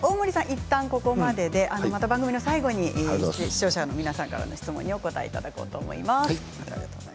いったんここまででまた番組の最後に視聴者の皆さんからの質問にお答えいただこうと思います。